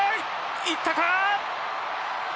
いったか。